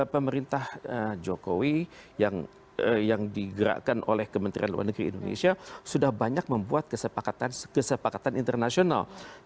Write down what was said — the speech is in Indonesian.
pemerintah jokowi yang digerakkan oleh kementerian luar negeri indonesia sudah banyak membuat kesepakatan internasional